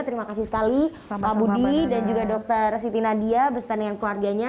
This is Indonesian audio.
terima kasih sekali pak budi dan juga dr siti nadia beserta dengan keluarganya